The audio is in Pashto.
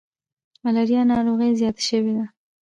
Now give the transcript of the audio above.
ملاریا ناروغي زیاته شوي ده.